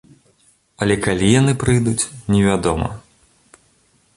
Але калі яны прыйдуць, невядома.